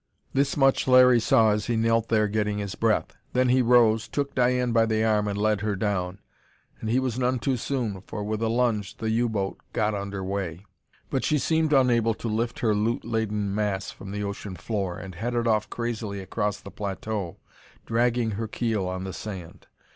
This much Larry saw, as he knelt there getting his breath. Then he rose, took Diane by the arm and led her down. And he was none too soon, for with a lunge the U boat got under way. But she seemed unable to lift her loot laden mass from the ocean floor, and headed off crazily across the plateau, dragging her keel in the sand.